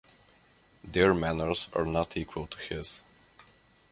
Their manners are not equal to his.